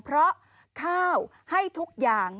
เพราะข้าวให้ทุกอย่าง